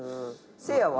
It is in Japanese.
せいやは？